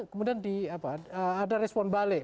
kemudian ada respon balik